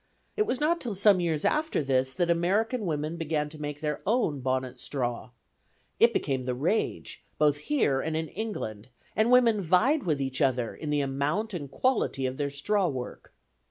It was not till some years after this that American women began to make their own bonnet straw. It became the rage, both here and in England, and women vied with each other in the amount and quality of their "straw work."